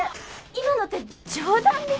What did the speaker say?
今のって冗談ですよね？